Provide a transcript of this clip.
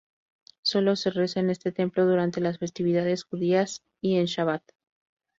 Solo se reza en este templo durante las festividades judías y en Shabat.